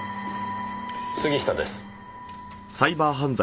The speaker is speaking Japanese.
杉下です。